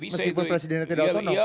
meskipun presidennya tidak otonom